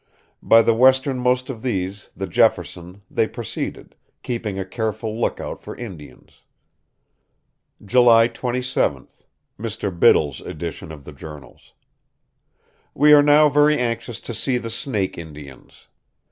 By the westernmost of these, the Jefferson, they proceeded, keeping a careful lookout for Indians. "July 27th [Mr. Biddle's edition of the journals]. We are now very anxious to see the Snake Indians.